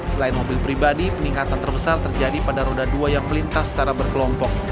selain mobil pribadi peningkatan terbesar terjadi pada roda dua yang melintas secara berkelompok